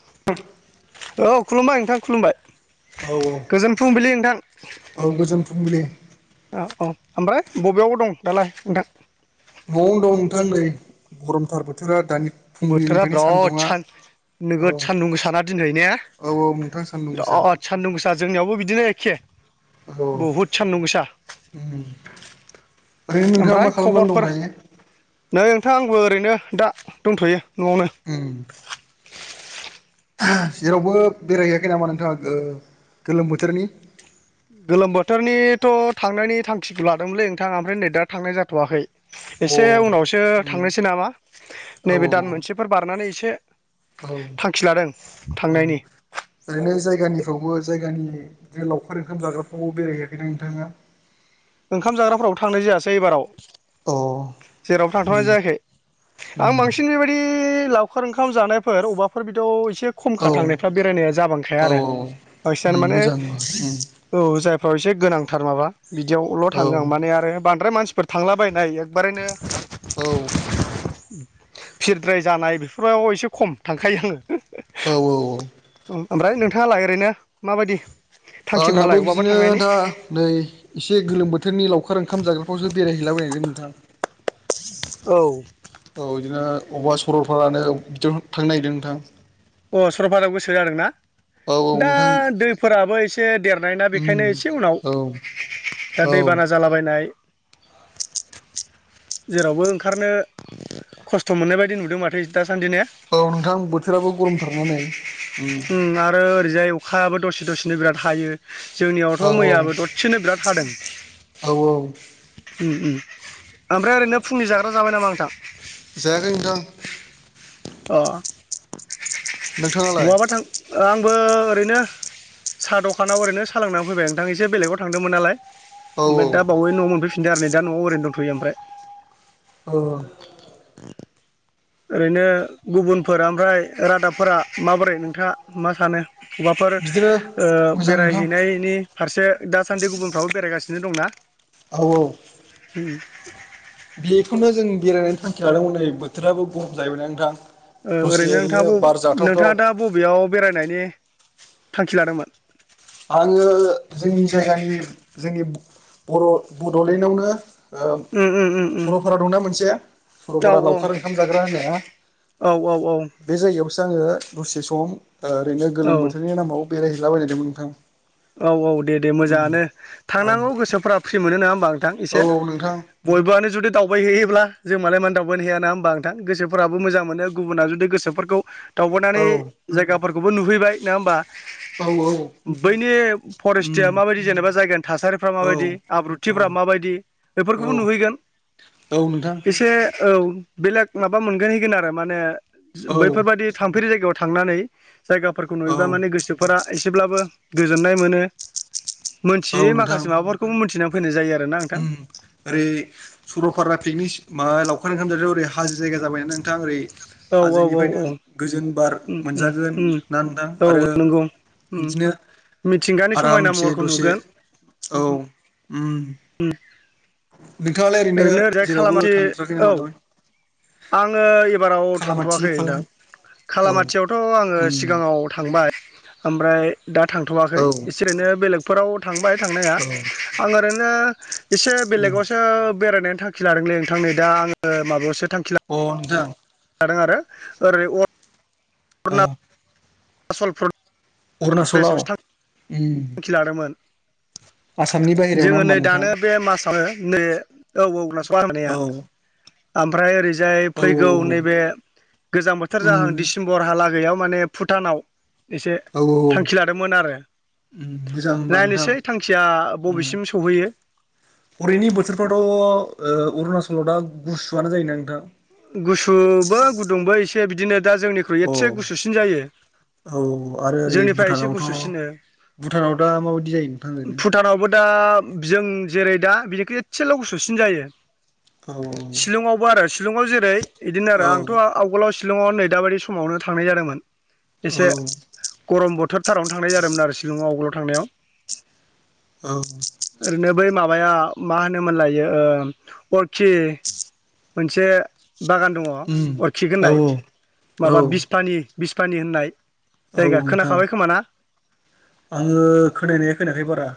[inaudible] औ खुलुमबाय नोंथां खुलुमबाय औ गोजोन फुंबिलि नोंथां औ गोजोन फुंबिलि औ औ ओमफ्राय बबेयावबो दं दालाय नोंथां न'आवनो दं नोंथां नै गरमथार बोथोरा दानि बोथोरा फुंबिलिनिफ्रायनो बिराद सान्दुङा सान औ नोगोद सानदुं गोसाना दिनै ने औ औ नोंथां सान्दुं गोसा बिराद सान्दुं गोसा जोंनियावबो बिदिनो एखे औ बहुद सान्दुं गोसा। उम ओरैनो नोंथाङा ओमफ्राय मा खालामनानै दं खबरफोर दायो नै थां आंबो ओरैनो दा दंथ'यो न'आवनो। उम जेरावबो बेरायहैयाखै नामा नोंथाङा गो-गोलोम बोथोरनि? गोलोम बोथोरनिथ' थांनायनि थांखिखौ लादोंमोनलै नोंथाङा ओमफ्राय नै दा थांनाय जाथ'वाखै। अ एसे उनावसो उम थांनोसै नामा औ नैबे दान मोनसेफोर बारनानै एसे औ थांखि लादों औ थांनायनि ओरैनो जायगानिफ्रावबो जायगानि बे लावखार ओंखाम जाग्राफ्रावबो बेरायहैयाखैना नोंथाङा? ओंखाम जाग्राफोरावबो थांनाय जायासै ऐबाराव। अ जेरावबो थाथ'नाय उम जायाखै। आं उम बांसिन बेबायदि लावखार ओंखाम जानायफोर अबाफोर बिदियाव एसे एसे खमखा औ थांनायफ्रा बेरायनाया जाबांखाया औ आरो बांसिनानो उम माने मोजां उम औ जाय फ्राव एसे गोनांथार माबा बिदियावल' थाङो आं माने आरो बांद्राय मानसि फोर थांलाबायनाय एकबारैनो औ भिरद्राय जानाय बेफोराव एसे खम थांखायो आङो। औ औ उम ओमफ्राय नोंथाङालाय ओरैनो माबायदि? थांखिफ्रालाय आंनाबो बहाबा बिदिनो थांनायनि दा नै एसे गोलोम बोथोरनि लावखार ओंखाम जाग्राफ्रावसो बेरायहैला बायनायदों नोंथां। औ औ इदिनो अबावबा सरलपारानो बिदियाव थांनो नायगिरदों नोंथां। अ सरलपारायाव गोसो जादों ना? औ दा नोंथां दैफोराबो एसे देरनाय ना उम बेखायनो एसे उनाव औ दा औ दैबाना जालाबायनाय जेरावबो ओंखारनो खस्थ' मोननाय बायदि नुदों माथो इ दा औ नोंथां बोथोराबो गरमथारना नै। उम आरो ओरैजाय अखायाबो दसे दसेनो बिराद हायो। औ जोंनियावथ' मैयाबो ददसेनो बिराद हादों। औ औ उम उम ओमफ्राय ओरैनो फुंनि जाग्रा जाबाय नामा नोंथां? जायाखै नोंथां। अ नोंथाङालाय बहाबा थां आं बो ओरैनो साहा दखानाव ओरैनो सा लोंनानै फैबाय नोंथां एसे बेलेगाव थांदोंमोन नालाय। औ औ ओमफ्राय दा बावै न'आव मोनफैफिनदो आरो नै दा न'आव ओरैनो दंथ'यो ओमफ्राय। अ [inaudible] ओरैनो गुबुनफोर ओमफ्राय रादाबफोरा माबोरै नोंथाङा मा सानो? अबावबाफोर बिदिनो ओ मोजां नोंथां बेरायहैनायनि फारसे दासान्दि गुबुनफ्राबो बेरायगासिन नो दं ना? औ औ उम बेखौनो जों बेरायनायनि थांखि लादोंमोन नै बोथोराबो गरम जाहैबाय ना नोंथां। ओं दसे ओरैनो नोंथाङा बार बब जाथावथाव नोंथाङा दा बबेयाव बेरायनायनि थांखि लादोंमोन? आङो जोंनि जायगानि जोंनि बर' बड'लेण्डआवनो ओ उम उम उम उम सरलपारा दंना मोनसे औ सरलपारा लावखार औ ओंखाम जाग्रा होननाया औ औ दा आङो दसे सम ओ ओरैनो औ गोलोम बोथोरनि नामाव बेरायहैला बायनायदोंमोन नोंथां। औ औ दे दे मोजाङानो थांनांगौ गोसोफ्रा फ्रि मोनो नोङा होमबा नोंथां एसे उम औ औ नोंथां बयबोआनो जुदि दावबायहैयोब्ला जों मालाय माननो दावबायनो हाया नङा होमबा नोंथां गोसोफोराबो मोजां मोनो गुबुना जुदि गोसोफोरखौ औ दावबायनानै जायगाफोरखौबो नुहैबाय नङा होमबा? औ औ बैनि फरेस्टिया औ माबायदि जेनेबा जायगानि थासारिफ्रा माबायदि औ आब्रुथिफ्रा माबायदि बेफोरख औ बो नुहैगोन। औ नोंथां। एसे औ बेलेग माबा मोनगोन हैगोन आरो माने औ बैफोरबादि थांफेरि जायगायाव थांनानै जायगाफोरखौ औ नुयोबा माने गोसोफोरा एसेब्लाबो गोजोननाय मोनो औ मोनथियै नोंथां माखासे माबाफोरखौबो मोनथिनानै फैनाय जायो आर उम ओरै सरलपारा पिकनिक सि माबा लावखार ओंखाम जाग्रायाव ओरै हाजो जायगा जाबायना नों थां ओरै औ औ हाजोनिफ्रायनो औ गोजोन ब बार उम उम मोनजागोन उम ना नोंथां औ आरो नंगौ उम बिदिनो मिथिंगानि समायना आरामसे महरखौ दसे नुगोन औ उम। नोंथाङालाय ओरैनो ओरैजाय जेरावबो खालामाथि थांथ्राखै औ नामा दामानि? आङो एबाराव थांथ'वाखै खालाम नोंथां। औ खालामाथियावथ' आङो उम सिगाङाव थांबाय। ओमफ्राय दा औ थांथ'वाखै एसे एनै बेलेगफोराव थांबाय थांनाया औ आङो ओरैनो एसे उम बेलेगावसो बेरायनायनि थांखि लादोंलै नोंथां नै दा आङो माबायावसो थांखि अ नोंथां [unintelligible] अ अरनाचल प्रदेशआवसो उम थांखि लादोंमोन आसामनि बाहेरायाव ना जोङो होमबा नै नोंथां दानो बे मासावनो बे औ औ नसा औ ओमफ्राय ओरै जाय औ फैगौ नैबे गोजां बोथोर उम जाहां डसेम्बरहालागै माने फु टानाव एसे औ औ औ थांखि लादोंमोन आरो उम मोजां होनबा नोंथां नायनोसै थांखिया उम बबेसिम सहैयो हरैनि बोथोरफ्राथ' ओ अरुणाचलाव दा गुसुआनो जायोना नोंथां गुसुबो गुदुंबो एसे बिदिनो दा जोंनिख्रुइ अ एसे गुसुसिन जायो औ आरो ओरै जोंनिफ्राय एसे भुटानावथ' गुसुसिनो भुटानाव दा माबायदि जायो नोंथां ओरैनो भुटानावबो दा जों जेरै दा बिनिखै एसेल' गुसुसिन जायो ओरैनो शिलंआवबो आरो शिलंआव जेरै इदिनो आरो औ औ आंथ' आवगोलाव शिलंआव नैदाबादि समावनो थांनाय जादोंमोन एसे औ गरम बोथोरथारावनो थांनाय जादोंमोन आरो शिलंआव आवगोलाव थांनायाव औ ओरैनो बै माबाया मा होनोमोनलायो ओ खि मोनसे बागान दङ उम अरखिक औ होननाय औ माबा बिसफानि बिसफानि होननाय औ जायगा नोंथां खोनाखाबाय खोमाना आङो खोनानाया खोनायाखै बारा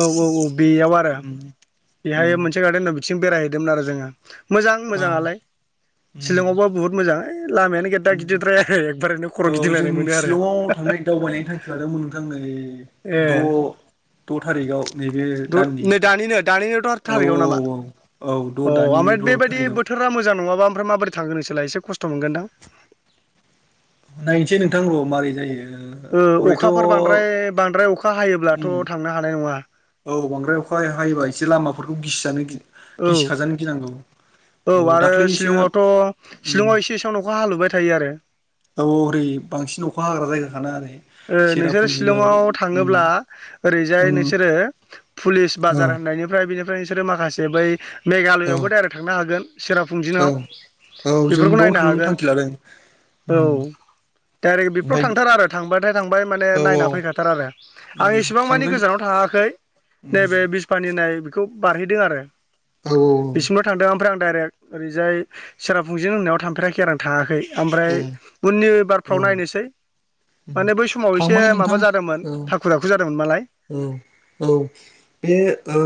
औ औ औ बेयाव आरो उम उम बेहाय मोनसे गार्डेन दं [unintelligible] बेरायहैदोंमोन आरो जोङो मोजां औ मोजाङालाय उम सिलंआवबो बुहुत मोजां ओइ लामायानो गेददा [unintelligible] गिदिरद्राय आरो एकबारैनो खर' औ जों गिदिंलायनाय मोनो आरो सिलं आव थांनाय दावबायनायनि थांखि लादोंमोन नोंथां नै बे ए द' द' थारिखआव नैबे दाननि नै दानिनो दानिनोथ' आरो औ औ औ थारिखआव नामा औ द अ दानि बे द [unintelligible] थारिखआव बोथोरा मोजां नङाबा ओमफ्राय मोबोरै थांगोन नोंसोरलाय एसे खस्थ' मोनगोनदां नायनोसै नोंथां औ माबारै जायो ओ हरैथ' अखाफोर बांद्राय बांद्राय अखा हायोब्लाथ' उम थांनो हानाय नङा औ बांद्राय अखा हायोबा एसे लामाफोरखौ गिसिजानो गि औ गिसिखाजानो गिनांगौ औ आरो शिलंआवथ' उम शिलंआव एसे एसेआवनो अखा हालुबाय थायो आरो औ हरै बांसिन अखा हाग्रा जायगााखाना आरो ओ नोंसोरो शिलंआव थाङोब्ला ओरैजाय उम नोंसोरो फुलिस औ बाजार होननायनिफ्राय बेनिफ्राय नोंसोरो माखासे बै औ मेघालयआवबो डाइरेक्ट थांनो हागोन औ सेराफुंजिङाव औ जों बेफोरखौ बावनो नायनो थांनो हागोन थांखि लादों औ उम डाइरेक्ट बेफोराव ओमफाय थांथार आरो थांबाथाय थांबाय माने औ औ नायना फैखाथार आरो आं उम इसेबां मानि थांगोन गोजानाव थाङाखै उम नैबे बिस फानि नाय बेखौ बारहैदों आरो औ बिसिमल' थांदों ओमफ्राय आं डाइरेक्ट ओरैजाय सेराफुंजिं होननाव थांफेराखै आं थाङाखै ओमफ्राय ए उननि बारफ्राव औ नायनोसै उम माने बै समाव एसे थांबाय नोंथां माबा जादोंमोन औ थाखु दाखु जादोंमोन नालाय औ औ बे ओ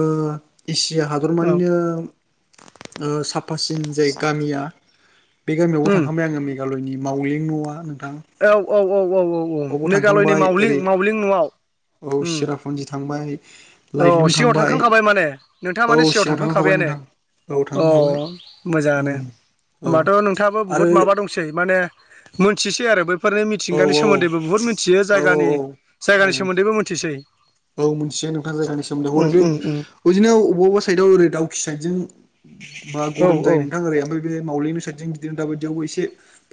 एसिया औ हादरमानिनो ओ साफासिन जाय गामिया बे गामियावबो उम थांबाय आङो मेघालयनि मावालिं न'आ नोंथां औ औ औ औ औ औ बावबो मेघालयनि थांखांबाय मावलिं ओरै मावलिं न'आव औ ओम सिरापुन्जि थांबाय औ लाइटलुम सिगाङाव थांबाय थांखांखाबाय माने नोंथाङा औ माने सिगाङाव थांखांखाबाय थांखांखाबायानो नोंथां औ अ थांखांखाबाय मोजाङानो उम औ ओमबाथ' नोंथाङाबो बुहुत आरो माबा दंसै माने मोनथिसै आरो बै फोरो औ मिथिंगानि सोमोन्दैबो बुहुत मिथियो औ जायगानि औ जायगानि औ सोमोन्दैबो मिथिसै औ मोनसे नोंथां जायगानि सोमोन्दै हरै बे उम इदिनो अबेबा साइडआव ओरै दाउखि साइद जजों मा औ गरम औ जायो नोंथां ओरै ओमफ्राय बे मावलिंनि साइडजों बिदिनो दाबायदियावबो एसे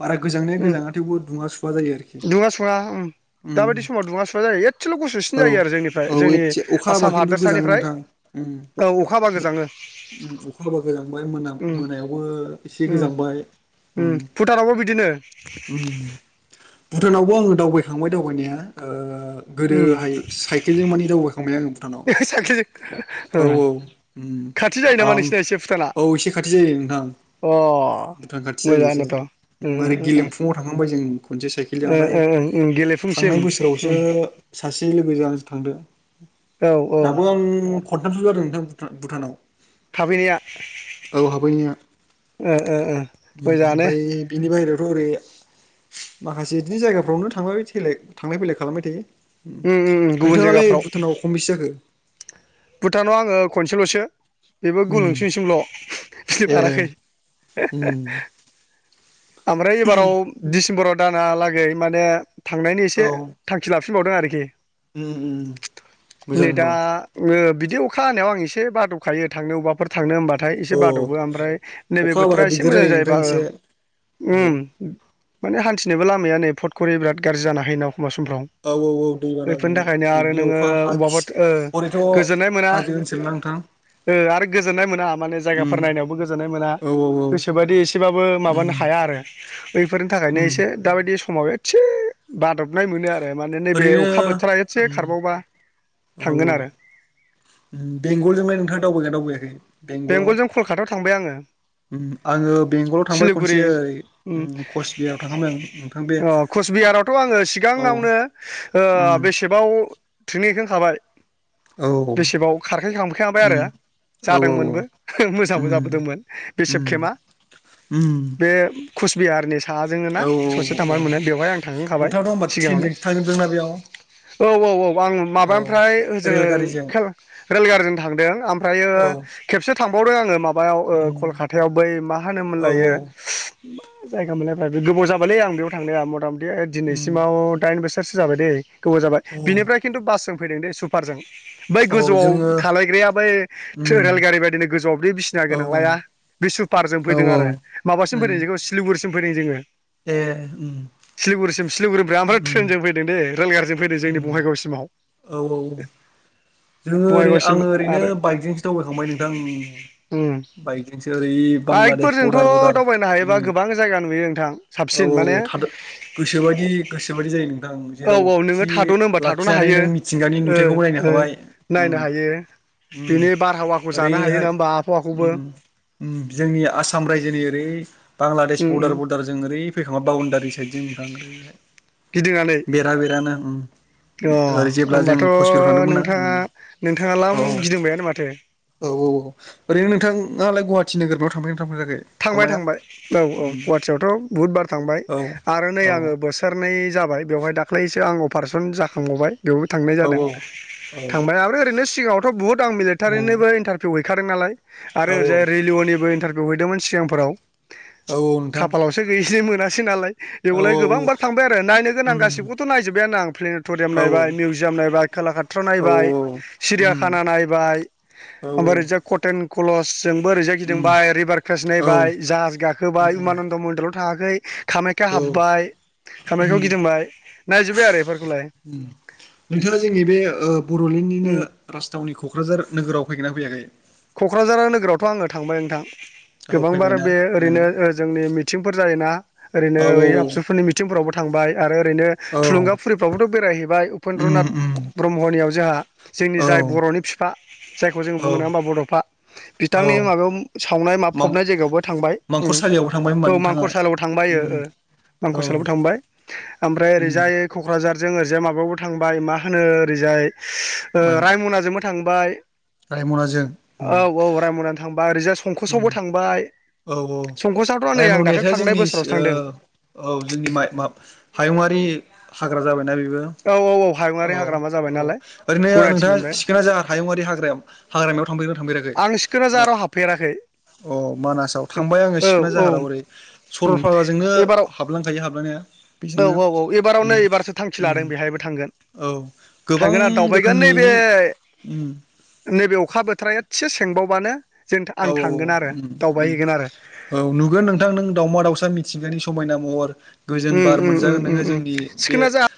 बारा गोजांनाया उम गोजाङा थेवबो दुङा सुवा जायो आरोखि दुङा सुङा उम उम दाबायदि समाव दुंआ सुआ जायो एसेल' गुसुसिन औ जायो आरो जोंनि ओमफ्राय औ जोंनि एसे अखा हाबा आसाम खिन्थु गोजाङो हादोरसानिफ्राय नोंथां उम अखा हाबा गोजाङो अखा हाबा गोजांबाय मोना उम मोनायावबो एसे उम गोजांबाय उम भुटानावबो बिदिनो भुटानावबो आङो दावबायखांबाय दावबायनाया उम गोदोहाय स साइखेलजों मानिे दावबायखांबाय आङो भुटानाव साख्रिजों ओ औ खाथि जायो नामा औ नोंसिना एसे भुटाना औ एसे खाथि जायो नोंथां अ भुटान खाथि जायो एसे मोजाङानोथ' उम उम मोरै उम उम गेलेमफुङाव थांखांबाय जों खनसे साइकेलजों ओ ओमफ्राय ओ ओं ओं गेलेफुंसिम थांनाय बोसोरावसो उम सासे लोगोजों थांदो औ औ दाबो आं खनथामसो जादों नोंथां भुटानाव थाफैनाया आ हाबैनाया ओ ओ ओ मोजाङानो ओमफ्राय बिनि बाहेरायाव ओरै माखासे बिदिनो जायगाफ्रावनो थांबायै थांलाय फैलाय खालामबाय थायो उम उम गुबुन नोंथाङालाय जायगाफ्राव भुटानाव खमनबैसे जाखो भुटानाव आङो खनसेल'सो बेबो उम गुलुंसिनसिमल' बिदि ए बाराखै उम ओमफ्राय एबाराव डिसेम्बराव दानहालागै माने थांनायनि औ एसे थांखि लाफिनबावदों आरोखि उम उम मोजां नै दा होनबा ओ बिदि बिदि अखा हानायाव आं एसे बाद'बखायो थांनो अबावबाफोर थांनो होनबा नाथाय एसे अ बाद'बो ओमफ्राय नैबे अखा हाबा बोथोरा एसे दिगदार मोजां जायो जायोबा नोंथां एसे औ माने हान्थिनोबो लामाया नै फट खरि बिराद गाज्रि जानो हायो ना एखमबा समफ्राव औ औ बेफोरनि दैबानाजों थाखायनो आरो बिदिनो नोङो अखा हा अबाबा गिसि हरैथ' गोजोननाय मोना हाजो ओनसोल ना नोंथां आरो गोजोननाय मोना माने उम जायगाफोर नायनायावबो गोजोननाय मोना औ औ गोसोबायदि एसेबाबो माबानो उम थाया आरो फोरनि थाखायनो उम एसे दाबायदि समाव एसे बादबनाय मोनो आरो माने नैबे ओरैनो अखा बोथोरा एसे उम खारबावबा औ थांगोन आरो बेंगलजोंलाय नोंथाङा दावबाया दावबाययाखै बेंगलजों कलकातायाव थांबाय आङो आङो बेंगलाव थांबाय सिलिगुरि खनसे उम ओ कचबिहाराव थांखांबाय आ नोंथां बे कचबिहारावथ' आङो औ सिगाङावनो बेसेबाव ट्रेनिंहैखांखाबाय औ बेसेबाव खारखैखांखाबाय आरो उम औ जा औ औ मोनबो मोजांबो उम जाबोदोंमोन बे सेब उम केेमा उम बे कुचबिहारनि साजोंङ ना औ ससे औ थांबानो मोनो बेवहाय आं थांखांखाबाय नोंथाङाथ' होमबा सिगाङावनो ट्रेनजोंसो थांजोबदोंना बेयाव औ औ औ आं औ माबानिफ्राय ओजों रेलगारिजों रेलगारिजों थांदों ओमफ्रायो औ खेबसे थांबावदों आङो माबायाव उम कलकातायाव बै मा औ औ होनोमोनलायो मा जायगा मोनलायबायाय गोबाव जाबालै आं बेयाव थांनाया मथा मथि उम दिनैसिमाव दाइन बोसोर बोसोरसो जाबाय दै गोबाव जाबाय औ बिनिफ्राय खिन्थु बासजों फैदों दैे सुपारजों बै औ गोजौआव जोङो थालायग्राया बै उम रेलगारि बायदिनो गोजौआव बि बिसिना औ गोनांलाया औ बे सुपारजों औ फैदों आरो माबासिम फैदों उम जखौ सिलिगुरसिम फैदों जोङो ए उम सिलिगुरिसिम सिलिगुरिनिफ्राय ओमफ्राय उम ट्रेनजों फैदों दे रेल गारजों फैदों जोंनि उम बङाइगावसिमाव औ औ जोङो ओरै बङाइगावसिम आङो ओरैनो बाइकजोंसो दावबायखांबाय नोंथां ओम बाइकजोंसो ओरै बांलादेश बाइकफोरजोंथ' बर्डार बर्डार दावबायनो हायोबा उम गोबां जायगा नुयो नोंथां औ साबसिन औ माने औ गोसोबायदि गोसोबायदि जायो नोंथां औ औ नोङो जेरावखि थाद'नो होनबा थाद'नो लाखिनानै हायो नों मिथिंगानि नु ओ थायखौबो नायनो ओ हाबाय उम नायनो हायो उम बिनि बारहावाखौ जानो हायो ओरैहाय नङा होमबा आबहावाखौबो उम जोंनि आसाम रायजोनि ओरै बा बांलादेश उम उम बरदार बरदार जों ओरै फैखांबाय बाउनडारि साइडजों नोंथां गिदिंनानै ओरैहाय बेरा बेरानो ओम अ ओ जेब्ला जों होमबाथ' कसबिहाराव थांदोंमोन ना ओम नोंथाङा लाम गिदिंबायानो माथो औ औ ओरैनो नोंथाङालाय गुवाहाटि नोगोरमायाव थांफेर थांबाय थांबाय औ औ गुवाहाटियावथ' बुहुद बार थांबाय औ आरो नै औ आङो बोसोरनै जाबाय जाबाय बेवहाय दाख्लैसो आं अपारेसन जाखांबावबाय बेयावबो थांनाय औ जादों उम थांबाय आरो ओरैनो सिगाङावथ' बहुद आं मिलिटारिनोबो इन्टारभिउ है खादों नालाय आरो औ ओरैजाय औ रेलिअ'निबो इन्टारभिउ हैदोंमोन सिगांफोराव औ नोंथां खाफालावसो गैयैसै मोनासै नालाय औ बेवलाय औ औ गोबांबार थांबाय आरो नायनो गोनां उम गासिखौथ' नायजोब्बायानो आं प्लेनटरियाम औ नायबाय मिउजियाम नायबाय कलाखाथ्र औ नायबाय उम सिरियाखाना नायबाय औ ओमफ्राय ओरैजा कटेन कलसजोंबो ओरैजाय उम गिदिंबाय रिभार क्रास औ नायबाय जाहाज गाखोबाय उम उमानन्द मन्दिराव थाङाखै कामाक्या औ हाबबाय कामाक्यायाव उम गिदिंबाय नायजुब बाय आरो बेफोरखौलाय उम नोंथाङा जोंनि बे ओ उम बड'लेण्डनिनो राजथावनि क'क्राझार नोगोराव फैगोनना फैयाखै क'क्राझार नोगोरावथ' आङो थांबाय नोंथां औ गोबांबार फैबायना बे उम ओरैनो ओ जोंनि मिथिंफोर जाय ना ओरैनो औ ओइ आबसुफोरनि मिथिंफोरावबो थांबाय आरो ओरैनो औ थुलुंगाफुरिफ्राबोथ' बेरायहैबाय उम उपेन्द्रनाथ उम ब्रह्मनियाव जोंहा जोंनि औ जाय बर'नि फि फा जायखौ जों औ बुंनो नाङा होमबा बड'फा औ बिथांनि माबायाव सावनाय माब फबनाय जायगायावबो थांबाय ओम मां-मांखरसालियावबो थांबाय होनबा औ नोंथाङा? मांखर सालायाव थांबाय ओ उम ओ औ मांखर सलायावबो थांबाय ओमफ्राय उम ओरैजाय क'क्राझार जों ओजाय माबायावबो थांबाय मा होनो ओरैजाय मायाव रायमनाजों बो थांबाय रायमनाजों उम औ औ रायमना थांबाय ओरैजाय उम संकसआवबो थांबाय औ औ संकसावथ' नै आं दाख्लै रायमनायाथ' थांनाय जोंनि बोसोरावसो ओ थांदों औ जोंनि माय बा हायुंङारि हाग्रा जाबायना बे औ औ हायुङारि हाग्रामा जाबाय औ नालाय ओरैनो गनायथि नोंथाङा मोनबाय सिखोना जाहार हायुंआरि हाग्रायाव हाग्रा याव थांफैाव थांफेराखै आं सिखोना मा जाहाराव हाबफेराखै अ मानासाव थांबाय आङो औ सिखना औ जाहाराव ओरै उम सरलपाराजोंनो एबाराव हाबलांखायो हाबलांनाया औ बेजोंनो औ एबाराव नै उम एबारसो थांखि उम लादों बेहायबो थांगोन औ गोबां थांगोन आरो दावबायगोन रोखोमनि नैबे नों उम नैबे अखा बोथोरा एसे सोंबावबानो औ औ औ ओम आरो ओम नुगोन नोंथां नों दाउमा दाउसा मिथिंगानि स समायना महर उम गोजोन बार उम मोनजागोन उम नोङो उम जोंनि बे सिखोना जा